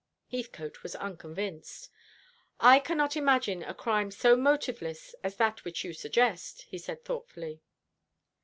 Heathcote was unconvinced. "I cannot imagine a crime so motiveless as that which you suggest," he said thoughtfully.